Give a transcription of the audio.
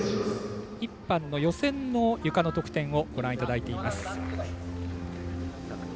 １班の予選のゆかの得点をご覧いただいています。